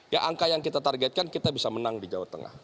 ya angka yang kita targetkan kita bisa menang di jawa tengah